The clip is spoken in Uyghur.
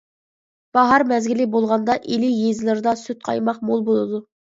باھار مەزگىلى بولغاندا ئىلى يېزىلىرىدا سۈت، قايماق مول بولىدۇ.